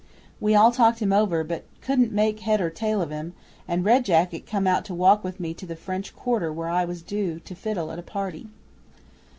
We all talked him over but couldn't make head or tail of him, and Red Jacket come out to walk with me to the French quarter where I was due to fiddle at a party.